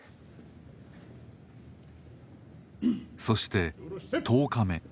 そして１０日目。